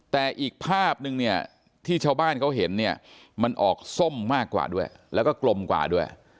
แต่อีกภาพนึงเนี่ยที่ชาวบ้านเขาเห็นเนี่ยมันออกส้มมากกว่าด้วยแล้วก็กลมกว่าด้วย